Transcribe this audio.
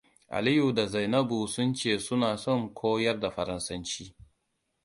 Aliyu da Zainabtu sun ce suna son koyar da faransanci.